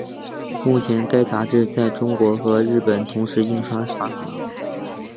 目前该杂志在中国和日本同时印刷发行。